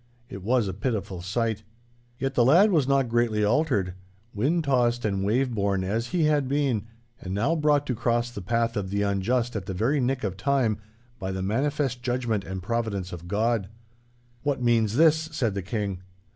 It was a pitiful sight. Yet the lad was not greatly altered—wind tossed and wave borne as he had been, and now brought to cross the path of the unjust at the very nick of time, by the manifest judgment and providence of God. 'What means this?' said the King.